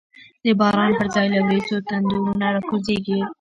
د باران پر ځای له وریځو، تندرونه را کوزیږی